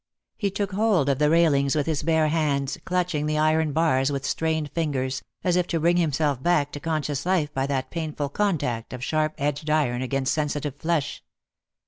He took hold of the railings with his bare hands clutching the iron bars with strained fingers, as if to bring himself back to conscious life by that painful contact of sharp edged iron against sen sitive flesh.